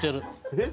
えっ！？